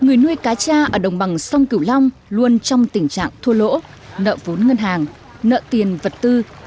người nuôi cá cha ở đồng bằng sông cửu long luôn trong tình trạng thua lỗ nợ vốn ngân hàng nợ tiền vật tư